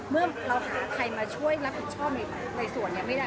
เมื่อเราหาใครมาช่วยรับผิดชอบในส่วนนี้ไม่ได้